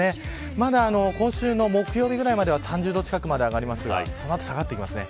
まだ今週の木曜日ぐらいまでは３０度近くまで上がりますがその後、下がってきますね。